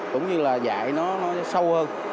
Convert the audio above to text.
cũng như là dạy nó sâu hơn